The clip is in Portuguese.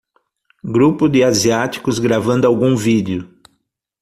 Grupo de asiáticos gravando algum vídeo.